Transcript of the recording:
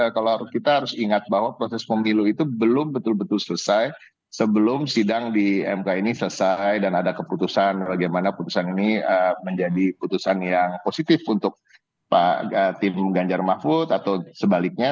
kalau kita harus ingat bahwa proses pemilu itu belum betul betul selesai sebelum sidang di mk ini selesai dan ada keputusan bagaimana putusan ini menjadi putusan yang positif untuk pak tim ganjar mahfud atau sebaliknya